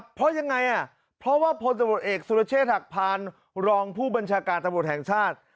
เพราะยังไงเพราะว่าพลตำรวจเอกสุรเชษฐหักพานรองผู้บัญชาการตำรวจแห่งชาติ